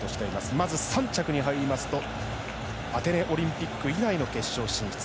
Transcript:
まず３着に入りますとアテネオリンピック以来の決勝進出。